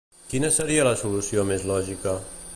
Quina seria la solució més lògica?